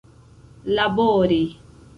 labori